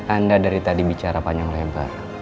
anda dari tadi bicara panjang lebar